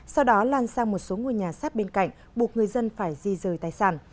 sau đó lan sang một số ngôi nhà sát bên cạnh buộc người dân phải di rời tài sản